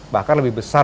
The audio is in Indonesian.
bahkan lebih besar